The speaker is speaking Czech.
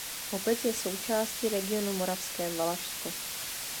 Obec je součástí regionu Moravské Valašsko.